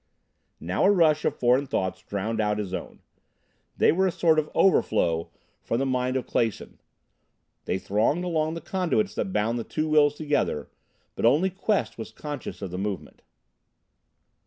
Now a rush of foreign thoughts drowned out his own. They were a sort of overflow from the mind of Clason. They thronged along the conduits that bound the two wills together, but only Quest was conscious of the movement.